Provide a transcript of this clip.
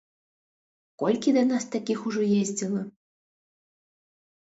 Колькі да нас такіх ужо ездзіла?